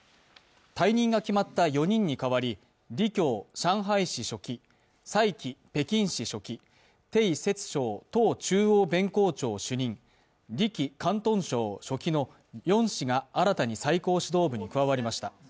退任が決まった４人に代わり李強上海市書記、蔡奇北京市書記、丁薛祥党中央弁公庁主任、李希広東省書記の４氏が新たに最高指導部に加わりました。